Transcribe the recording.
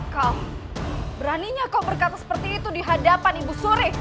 kaum beraninya kau berkata seperti itu di hadapan ibu sore